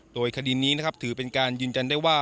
โดยคดีนี้นะครับถือเป็นการยืนยันได้ว่า